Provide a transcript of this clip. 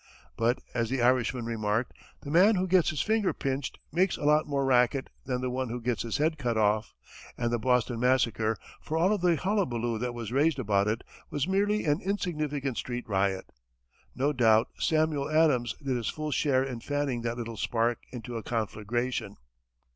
But, as the Irishman remarked, the man who gets his finger pinched makes a lot more racket than the one who gets his head cut off; and the Boston massacre, for all the hullabaloo that was raised about it, was merely an insignificant street riot. No doubt Samuel Adams did his full share in fanning that little spark into a conflagration!